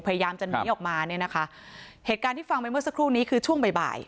พยายามจะหนีออกมาเนี่ยนะคะเหตุการณ์ที่ฟังไปเมื่อสักครู่นี้คือช่วงบ่ายบ่าย